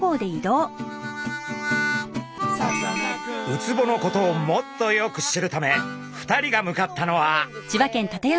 ウツボのことをもっとよく知るため２人が向かったのは。